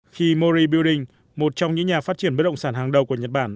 khi mori building một trong những nhà phát triển bất động sản hàng đầu của nhật bản